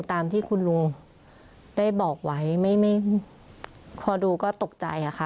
ตามที่คุณลุงได้บอกไว้ไม่ไม่พอดูก็ตกใจค่ะ